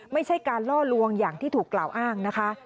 ไม่ใช่การล่อลวงอย่างที่ถูกกล่าวอ้างนะคะ